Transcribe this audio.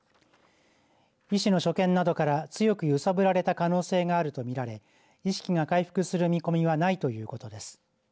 医師の所見などから強く揺さぶられた可能性があると見られ意識が回復する見込みはないということです。